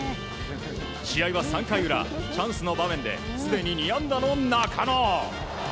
試合は３回裏チャンスの場面ですでに２安打の中野。